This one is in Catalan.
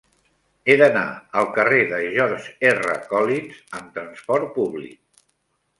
He d'anar al carrer de George R. Collins amb trasport públic.